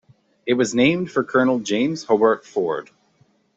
It was named for Colonel James Hobart Ford.